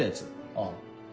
ああ。